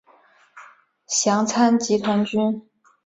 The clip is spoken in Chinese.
详参集团军。